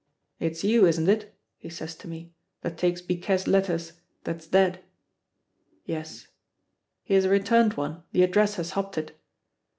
"It's you, isn't it," he says to me, "that takes Biquet's letters that's dead?" "Yes." "Here's a returned one; the address has hopped it."